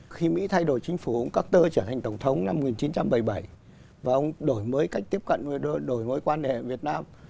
khi mỹ thay đổi chính phủ ông cuper trở thành tổng thống năm một nghìn chín trăm bảy mươi bảy và ông đổi mới cách tiếp cận đổi mối quan hệ việt nam